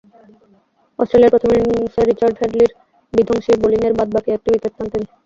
অস্ট্রেলিয়ার প্রথম ইনিংসে রিচার্ড হ্যাডলি’র বিধ্বংসী বোলিংয়ের বাদ-বাকী একটি উইকেট পান তিনি।